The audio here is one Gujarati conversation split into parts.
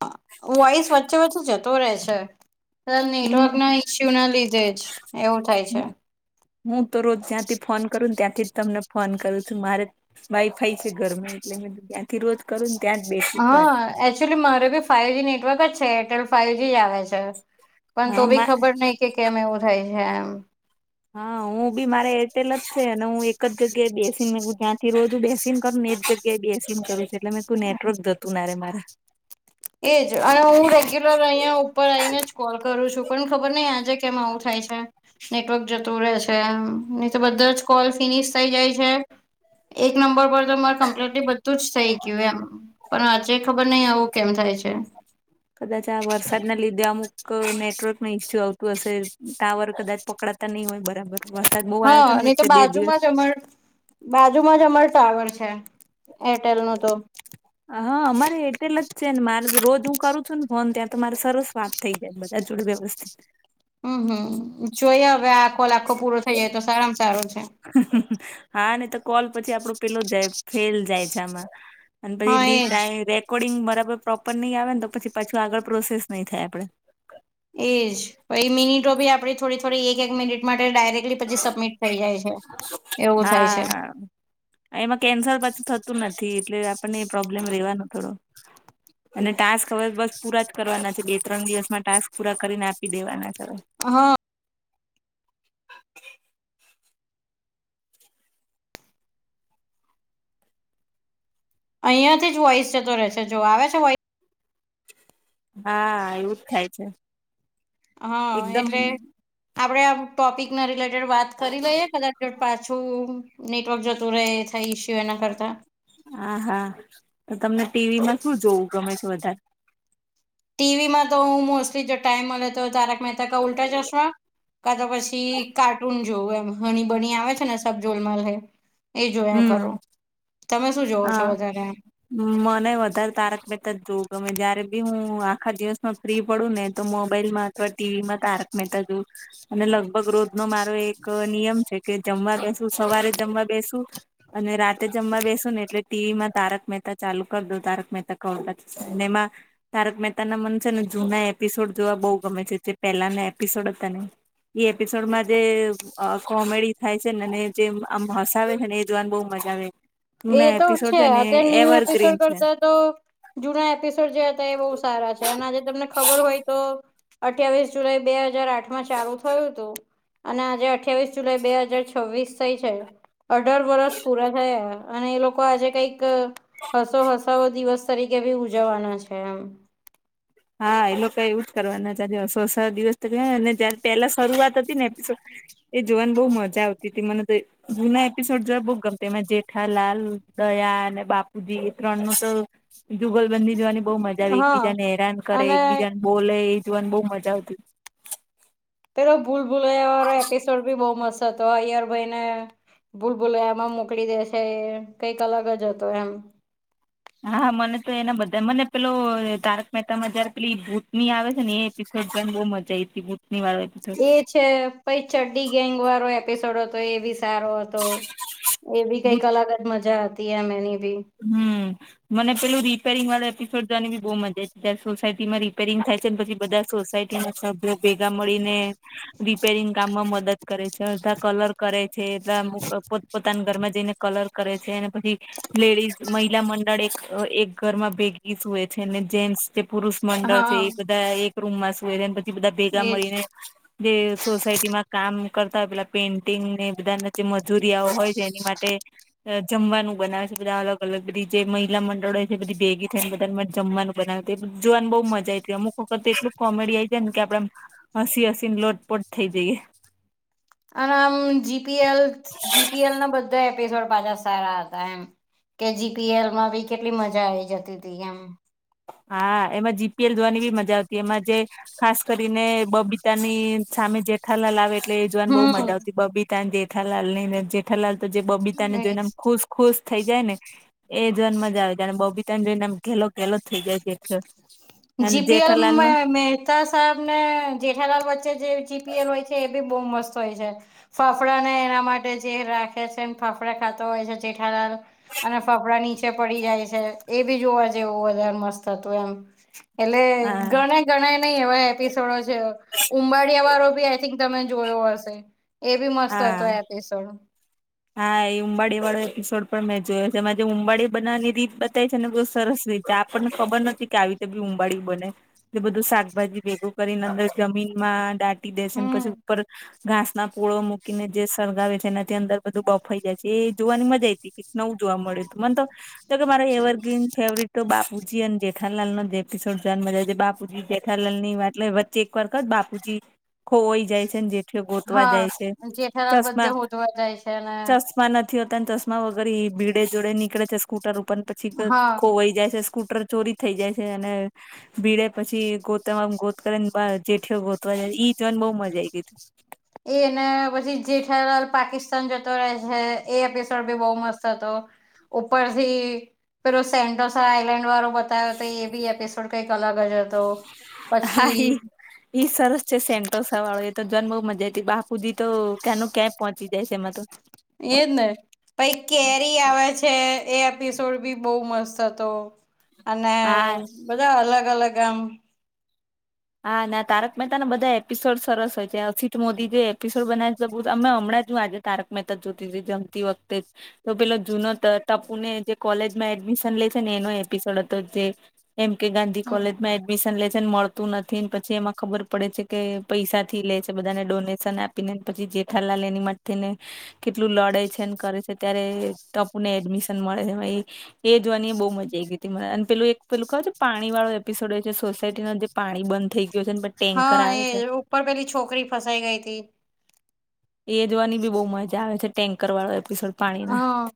હ. વોઇસ વચ્ચે-વચ્ચે જતો રે છે. તાં હું નીરોક ના ઈસ્યુ ના લીધે જ એવું થાય છે. હુંતો રોજ ત્યાંથી ફોન કરુ, ત્યાથી તમને ફોન કરું છું. મારે વાઈફાઈ છે ઘરમાં એટલે મેં ત્યાંથી રોત કરુન ત્યા બેસી જવાની. ચુલી મારે બી ફાઇવજી જ નેટવર્ક જ છે, એટેલ ફાઇવજી જ આવે છે, પન તો બી હા ખબર નહિ કે કેમ એવું થાય છે એમ. હા, ઉં બી મારે એરટેલ જ છે એને હું એક જગ્યાએ બેસીને ત્યાંથી રોજુ બેસીને કરું ને એ જગ્ ગ્યા એ બેસી કરુ છે, એટલે મેં કું નેટવર્ક જતું ના રે મારે. એજ અવે ઉં રેગ્યુ લર અહિયાં ઉપર આઈને જ કોલ કરું છું, પણ ખબર નઈ આજે કેમ આવું થાય છે. નેટવર્ક જતું રહેે છે, નહી તો બધા જ કોલ ફિનિશ થઈ જાય છે. એક નંબર પર તો મારે કમ્પ્લીટલી બધું જ થઇ ગીયું એમ, પણ આજે ખબર નહિ આવું કેમ થાય છે? હ કદાચ આ વરસાદના લીધે, અમુક નેટવર્ક ના ઇસ્યુ આવતું અસે. ટાવર કદાચ પકડા તા ની ઓય બરાબર. વરસાદ બહુ હ, આવ્યો હતો ને નઈ તો વચ્ચે બે દિવસ બાજુમાં જ અમાર બાજુમાં જ અમાર ટાવર છે, એરટેલ નો તો. આહ, અમારે એટેલ જ છે ને મારે રોજ હું કરું છું ને ફોન ત્યાં તો મારે સરસ વાત થઈ જાય, બધા જોડે વ્યવસ્ અમ્મ હમ્મ, જોઈએ અવે આ કોલ આખો પૂરો થઈ જાય, તો સારામાં સારુ છે. હા ને તો કોલ પછી આપડો પેલો જાય, ફેલ જાય છે આમાં. અન પહી હા લી એજ [unintelligible] રેકોર્ડિંગ બરાબર પ્રોપર નઈ આવે ન, તો પછી પાછું આગળ પ્રોસેસ નઈ થાય આપડે. એજ પહી મિનિટો ભી આપડી થોડી-થોડી એક-એક મિનિટ માટે ડાયરે ધીરે એ પછી સબમિટ થઈ જાય છે, એવું થાય છે. હા એમાં કેન્સલ પાછું થતું નથી, એટલે આપણને પ્રોબ્લેમ રહેેવાનો થોડો. અને ટાસ્ક અવે બસ પૂરા જ કરવાના છે, બે-ત્રણ દિવસમાં ટાસ્ક પૂરા કરીને આપી દેવાના છે અવે. હ. અઈયાં થી જ વોઈસ જતો રે છે, જો આવે છે વો આ... એવું જ થાય છે. હ એકદમ એટલે આપડે આ ટોપિક ના રિલેટેડ વાત કરી લઈએ કદાચ જો પાછું નેટવર્ક જતું રે થય ઈસ્યુ એના કરતા. આહા! તો તમને ટીવીમાં શું જોવું ગમે છે વધારે? ટીવીમાં તો હું મોસ્લી જો ટાઈમ મલે, તો તારક મહેતા કા ઉલટા ચશ્માં. કા તો પછી કાર્ટૂન જોવું એમ હણી બની આવે છે ને સબ [unintelligible] એ જોયા હમ કરો તમે શું જોવો છો હા વધારે મને વધારે તારક મેહતા જ જોઉું ગમે જયારે બી હું આખા દિવસનો ફ્રી પડું ને તો મોબાઈલમાં અથવા ટીવીમાં તારક મેહતા જોવું અને લગભગ રોજ નો મારો એક નિયમ છે કે જમવા બેસું સવારે જમવા બેસુ અને રાતે જમવા બેસુ ને એટલે ટીવી માં તારક મહેતા ચાલુ કરી દો તારક મહેતા કા ઉલ્ટા ચશ્મા નેમા તારક મહેતા ના મન છે ને જૂના એપિસોડ જોવા બહુ ગમે છે જે પહેલાના એપિસોડ હતા ને એ એપિસોડમાં જે કોમેડી થાય છે ને જે આમ હસાવે છે ને એ જોવાની બહુ મજા આવે એ જૂના તો એપિસોડ છે ને અત્યારે ન્યૂ એવરગ્રીન એપિસોડ છે. કરતા તો જૂના એપિસોડ જે હતા એ બહુ સારા છે અને આજે તમને ખબર હોય તો અઠ્ઠાવીસ જુલાઈ બે હાજાર આઠ માં ચાલુ થયું હતું અને આજે અઠ્યાવીસ જુલાઈ બે હાજાર છવ્વીસ થઈ છે અઢાર વરષ પૂરા થયા અને એ લોકો આજે કઈક હસો હસાઓ દિવસ તરીકે ભી ઉજવવાના છે એમ હા એ લોકો એવું જ કરવાના આજે સોસા દિવસ રિયા ને તો ત્યારે પેલા શરૂઆત હતી ને એપિસોડ એ જોવાને બહુ મજા આવતી તો મને તો જુના એપિસોડ જોવા બહુ ગમે તો જેઠાલાલ દયા અને બાપુજી એ ત્રણ નું તો જુગલબંધી જોવાની બહુ મજા આવે હા એકબીજા ને હેરાન કરે અને એકબીજાન બોલે એ જોવાને બઉ મજા આવતી પેલો ભૂલ ભૂલયા વાળો એપિસોડ બી બહુ મસ્ત હતો અયર ભઈને ભૂલ ભૂલાયામાં મોકલી દે છે કઈક અલગ જ હતો એમ હા હા મને તો એના બધા મને પેલો તારક મહેતા માં જયારે પેલી ભૂત ની આવે છે ને એ [unintelligible] બહુ મજા આઈ હતી બૂતની વાલા એપિસોડ એ છે પ ચડ્ડી ગેંગ વાળો એપિસોડ હતો એવી સારો હતો એ બી કઈક અલગ જ મજા હતી એમ એની બી હમ મને પેલું રિપેરંગ વાળા એપિસોડ જોવાની બઉુ મજા છે જ ત્યારે સોસાયટીમાં રિપેરિંગ થાય છે પછી બધા સોસાયટી ના સભ્યો ભેગા મળીને રિપેરિંગ કામમાં મદદ કરે છે અડધા કલર કરે છે એટલા આમ પોત પોતાના ઘરમાં જઈને કલર કરે છે અને પછી લેડીઝ મહિલા મંડળ એક એક ભેગી જ હોય છે ને જેન્ટ્સ જે પુરુષ મંડળ છે હા એ બધા એક રૂમ માં સુુંય રે પછી બધા ભેગા એજ મળીને જે સોસાયટીમાં કામ કરતા હોય પેલા પેઇન્ટિંગ ને બધા જે મજુરીયાઓ હોય તે એની માટે જમવાનું બનાવે બધા અલગ અલગ બધી જે મહિલા મંડળ હોય છે બધી ભેગી થઈ ને બધાને જમવાનું બનાવતી જોવાને બહ મજા આઈ તી અમુક વખત એટલું કોમેડી આ જાય ને કે આપડે હસી હસી ને લોટપોટ થઈ જઈએ અને આમ જીપીએલ જીપીએલ ના બધા એપિસોડ પાછા સારા હતા એમ કે જીપીએલ માં બી કેટલી મજા આવી જતી હતી એમ હા એમાં જીપીએલ જોવાની બી મજા આવતી એમાં જે ખાસ કરીને બબીતા ની સામે જેઠાલાલ આવે એટલે એ જોવાને બહુ હમ મજા આવતી બબીતાને જેઠાલાલ ને ને જેઠાલાલ તો જે બબીતા ને એજ જોઈને આમ ખુશ ખુશ થઈ જાય ને એ જોન મજા આવે જ અને બબીચન જોઈનેમ ઘેલો ઘેલો થઈ જાય જે જીપીએલ માં મેચ તા સાહેબ ને જેઠાલાલ વચ્ચે જે જીપીએલ હોય છે એ બી બહુ મસ્ત હોય છે ફફડા ને એના માટે જે રાખે છે એ ફાફડા ખાતા હોય છે જેઠાલા અને ફફડા નીચે પડી જાય છે એ બી જોવા જેવું વધારે મસ્ત હતું એમ એટલે હા ગણા ઘણા ન એવા એપિસોડો છે ઉંબાડિયા વાળો બી આઈ થિક તમે જોયો હશે એ બી મસ્ત હા હતો એપિસોડ હા એ ઉંબાડી વાળો એપિસોડ પણ મેં જોયો છે એમાં જે ઉંબાડી બનાવાની રીત બતાય છે ને બહુ સરસ રીત કે આપણને ખબર નથી કે આવી રીતે બી ઉંબાડી બને એટલે બધું શાકભાજી ભેગું કરીને અંદર જમીનમા ડા પી દે છે હમ પછી ઉપર ઘાસ ના પૂળો મૂકીને જે સળગાવે છે એનાથી અંદર બધું બહઉફઈ જાય છે એ જોવાની મજા આ હતી કે નવું જોવા મળ્યું હતું મને તો તો કે મારે એવરગ્રીન ફેવરટ બાપુજી અને જે જેેખાલાલ નો જેકિશોર જાન મજા છે બાપુજી જેેખાલાલ ની વાત વચ્ચે એક વાર જ બાપુજી ખોવાઈ જાય છે ને જેઠયો ગોતવાઈ જાય છે ચશ્મા જોવા જાય છે અને ચમા નથી હોતા ને ચશમા વગર એ ભીડે જોડે નીકળે છે સ્કૂટર ઉપર પછી હા કોઈ જાય છે સ્કૂ ટર ચોરી થઈ જાય છે અને ભીડે પછી ગોતમમ ગોત કરી ને બ જેઠીઓ ગોતવા જાય ઈ જોઈને બહુ મજા આ આવી ગઈ તી એને પછી જેઠલાલ પાકિસ તન જતો રહે છે એ એપિસોડ ભી બહુ મસ્ત હતો ઉપરથી પેલો સેન્ટોસા આઈલેન્ડ વાળું બતાવ્યો તો એ બી એપિસોડ કઈ કલાગજ હતો પછી હાઈ ઈ સરસ છે સેન્ટોસ વાળો એ તો જન બહુ મજા હતી બાપુજી તો કેનું ક્યાં પહોંચી જાય છે એમાં તો એ જને પઈ કેરી આવે છે એ એપિસોડ બી બહુ મસ્ત હતો અને હા બધા અલગ અલગ આમ હા ના મહેતાને બધા સરસ હોય છે અસિત મોદી જે એપિસોડ બનાવી બ અમે હમણાં જો આજે તારક મહેતા જ જોતીથી જમતી વખતે તો પેલો જૂનો ત ટાપુને જે કોલેજમાં એડમિશન લે છે ને એનો એપિસોડ હતો જે એમ કે ગાંધી કોલેજ માં એડમિશન લે છે મળ તું નથી પછી એમાં ખબર પડે છે કે પૈસા થી લે છે બધાને ડોનેશન આપી ને પછી જેઠાલાલ એની મા તે ને કેટલું લડે છે કરે છે ત્યારે ટપુને એડમિશન મળે છે ભાઈ એ જોવાની એ બહુ મજા આઈ ગઈ હતી મને અને પેલું એક પેલું કેહેય છે પાણી વાળો એપિસોડ છે સોસાયટીનો જે પાણી બંધ થઈ ગયો છે ને ટેન્કર હા આવે છે એ ઉપર પેલી છોકરી ફસાઈ ગઈ હતી એ જવાની બી બહુ મજા આવે છે ટેન્કર વાળો એપિસોડ પાણીના હા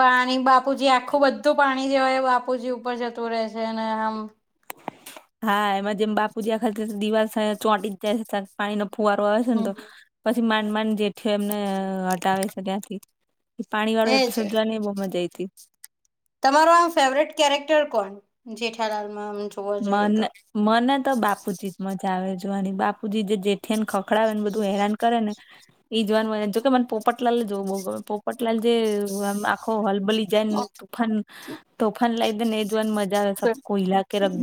પાણી બાપુજી આખું બધું પાણી જેવાય બાપુજી ઉપર જતું રહે છે અને હા એમાં જેમ બાપુજી આખા દિવાલ ચોંટી જ જાય છે પાણીનો ફુવારો આવે છે ને તો હમ પછી માંડ માંડ જેઠી એમને હટાવે છે ત્યાંથી એ પાણી વાળો એજ એપિસોડ જોવાનીને બઉ મજા આઈતી તમારો આમ ફેવરેટ કેરેક્ટર કોણ જેઠાલાલ મને મને તો બાપુજી જ મજા આવે જોવાની બાપુજી જે જેઠયાને ખ પકડાવે ને બધું હેરાન કરે ને ઈ જોવાનું જોકે મને પોપટલાલ જોવો બહુ ગમે પોપટલાલ જે હલબલી જાયને તોફાન તોફાન લાઈ દે ન એ જોવાની મજા આવે છે.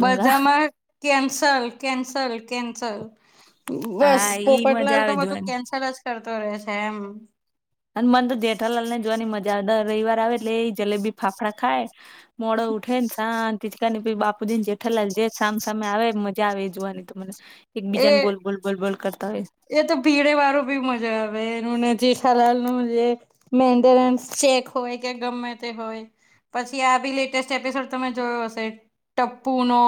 બધામાં કેન્સલ કેન્સલ કેન્સલ. બસ હા ઈ મજા પોપટલાલ તો આવે બધું જોવાની કેન્સલ જ કરતો રહેે છે એમ. અને મન તો જેઠાલાલ ને જોવાની મજા આવે, દર રવિવાર આવે એટલે એ જલેબી ફાફડા ખાય. મોડ ઉઠે ન શાંત [unintelligible] બાપુજી ન જેઠાલાલ જે સામ સામે આવે ન મજા આવે એ જોવાની તો મને એ એકબીજા ને બોલ બોલ બોલ બોલ કરતા હોય. એ તો ભીડેવાળું બી મજા આવે એનું ને જેઠાલાલનું જે મેન્ટેનન્સ ચેક હોય કે ગમે તે હોય. પછી આ બી લેટેસ્ટ એપિસોડ તમે જોયો હશે? ટપ્પુનો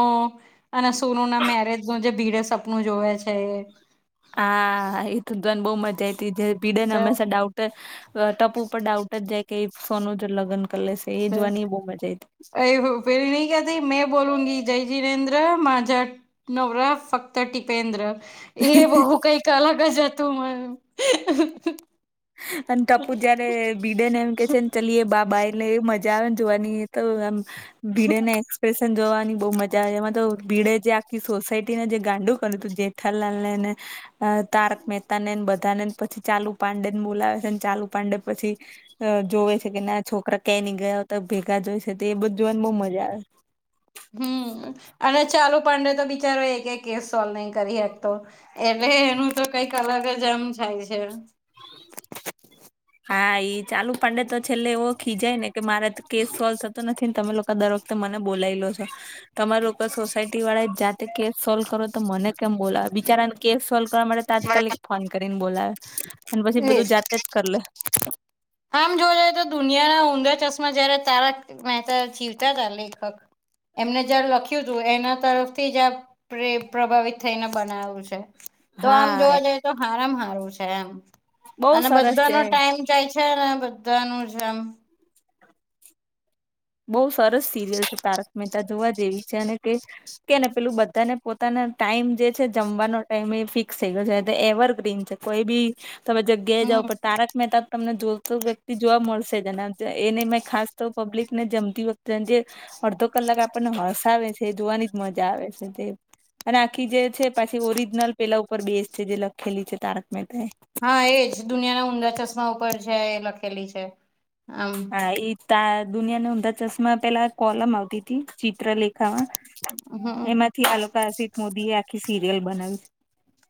અને સોનુના મેરેજનું જે ભીડે સપનું જોવે છે એ. હા હા ઇ તો જોવાની બહુ મજા આઈતી જે ભીડેને તે હંમેશા ડાઉટ ટપુ ઉપર ડાઉટ જ જાય કે એ સોનું જોડે લગ્ન કરી લેશે એ જોવાની બહુ મજા આઇ [unintelligible] એ [unintelligible] નઇ કેતી મેં બોલુંગી જય જીનેન્દ્ર માઝા [unintelligible] ફક્ત ટીપેન્દ્ર. એ હતી બહુ કંઇક અલગ જ હતું મન. અને ટપુ જયારે ભીડેને એમ કે છે ન ચલીએ બા બાઈ ને એવી મજા આવે ને જોવાની તો આમ ભીડેને એક્સ જોવાની બહુ મજા આવે એમાં તો ભીડે જે આખી સોસાયટીને જે ગાંડુ કર્યું હતું જેઠાલાલને એને અ તારક મહેતાને ન બધાને ન પછી ચાલુ પાંડે ને બોલાવે છે ને ચાલુ પાંડે પછી જોવે છે કે ના છોકરા ક્યાય નઈ ગયા હોત ભેગા જ હોય છે તો એ બધું આમ બહુ મજા આવે. હમ્મ અને ચાલુપાંડે તો બિચારો એકેય કેસ સોલ્વ નહી કરી એક તો. એટલે એનું તો કંઇક અલગ જ આમ [unintelligible] [inaudible] હા ઇ ચાલુપાંડે તો છેલ્લે એવો ખીજાય ને કે મારાથી કેસ સોલ્વ થતો નથી ને તમે લોકો કે દર વખતે મને બોલાઇ લો છો. તમારી લોકો સોસાયટીવાળા જાતે કેસ સોલ્વ કરો તો મને કેમ બોલા બિચારાને કેસ સોલ્વ કરવા માટે તાત્કાલિક ફોન કરીને બોલાવે અને પછી બધું જાતે જ કર લે. આમ જોવા જઈએ તો દુનિયાના ઊંધા ચશ્મા જયારે તારા મહેતા જીવતા તા લેખક એમને જ્યારે લખ્યું હતું એના તરફથી જ આ પ્રે પ્રભાવિત થઈને બનાવ્યું છે. તો આમ હા જોવા જઈએ તો હારા મ હારું છે એમ બહુ અને સરસ બધાનો છે ટાઈમ થાય છે ને બધાનો જેમ બહું સરસ સિરિયલ છે તારક મહેતા જોવા જેેવી છે અને કે કે ને પેલું બધાને પોતાના ટાઈમ જે છે જમવાનો ટાઈમ એ ફિક્સ થઈ ગ્યો છે એવરગ્રીન છે. કોઈ ભી તમે જગ્યાએ હમ જાઓ તો તારક મહેતા તમને જો તો વ્યક્તિ જોવા મળશે જ અને એની મેં ખાસ તો પબ્લિક ને જમતી વખતે જે અડધો કલાક આપણને હસાવે છે એ જોવાની જ મજા આવે છે તે અને આખી જે છે પાછી ઓરિજનલ પેલા ઉપર બેસ છે જે લખેલી છે તારક મહેતા એ. હા એ જ દુનિયાના ઊંધા ચશ્મા ઉપર છે એ લખેલી છે આમ. હા એ ત દુનિયાના ઊંધા ચશ્માં પેલા કોલમ આવતી તી ચિત્ર લેખામાં. હમ એમાંથી [unintelligible] અસિત મોદી એ આખી સીરિયલ બનાવી છે.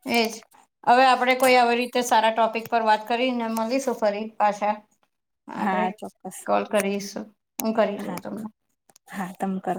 એ જ. હવે આપડે કોઈ આવી રીતે સારા ટોપિક પર વાત કરીને મળીશું ફરી પાછા આપણેે હા ચોક્કસ કોલ કરીશું હું કરી હા જાઉં તમને હા તમ કરો